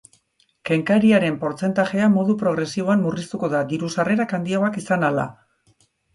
Kenkariaren portzentajea modu progresiboan murriztuko da, diru-sarrerak handiagoak izan ahala.